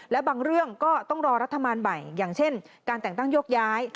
และบางเรื่องก็ต้องรอรัฐบาลใหม่อย่างเช่นการแต่งตั้งโยกย้าย